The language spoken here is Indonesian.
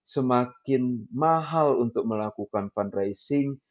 semakin mahal untuk melakukan fundraising